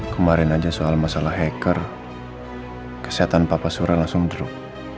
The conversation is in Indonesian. kemarin aja soal masalah hacker kesehatan papa surya langsung drop